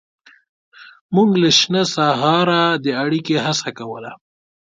موږ له شنه سهاره د اړیکې هڅه کوله.